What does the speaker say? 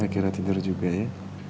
akhirnya tidur juga ya